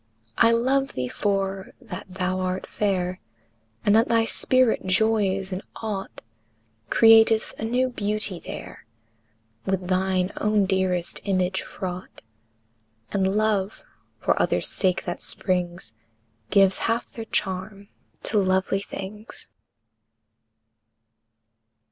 III. I love thee for that thou art fair; And that thy spirit joys in aught Createth a new beauty there, With thine own dearest image fraught; And love, for others' sake that springs, Gives half their charm to lovely things.